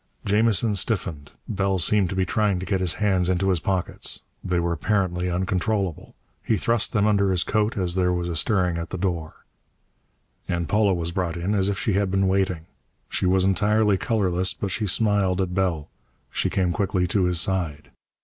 Jamison stiffened. Bell seemed to be trying to get his hands into his pockets. They were apparently uncontrollable. He thrust them under his coat as there was a stirring at the door. And Paula was brought in, as if she had been waiting. She was entirely colorless, but she smiled at Bell. She came quickly to his side.